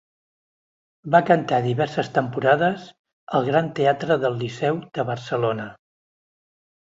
Va cantar diverses temporades al Gran Teatre del Liceu de Barcelona.